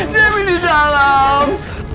dewi di dalam